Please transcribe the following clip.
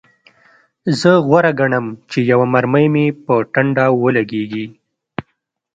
زه غوره ګڼم چې یوه مرمۍ مې په ټنډه ولګیږي